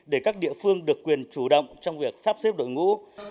để các địa phương được quyền chủ động trong việc sắp xếp đội ngũ